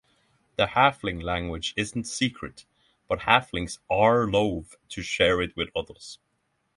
The Halfling language isn’t secret, but halflings are loath to share it with others.